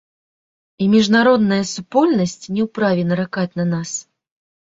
І міжнародная супольнасць не ў праве наракаць на нас.